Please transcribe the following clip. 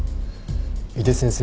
井手先生